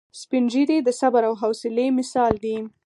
سپین ږیری د صبر او حوصلې مثال دی